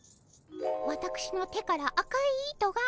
わたくしの手から赤い糸が。